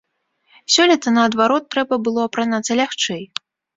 Сёлета, наадварот, трэба было апранацца лягчэй.